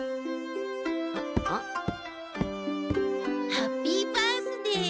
ハッピー・バースデー！